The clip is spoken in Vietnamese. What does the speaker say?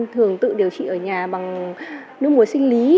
thường tự điều trị ở nhà bằng nước muối sinh lý